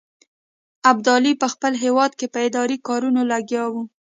ابدالي په خپل هیواد کې په اداري کارونو لګیا وو.